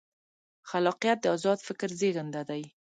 خلاقیت د ازاد فکر زېږنده دی.